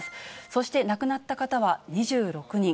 そして亡くなった方は２６人。